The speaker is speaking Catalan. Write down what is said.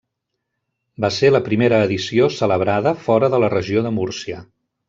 Va ser la primera edició celebrada fora de la Regió de Múrcia.